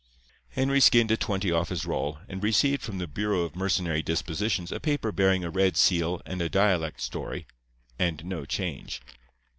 "Henry skinned a twenty off his roll, and received from the Bureau of Mercenary Dispositions a paper bearing a red seal and a dialect story, and no change.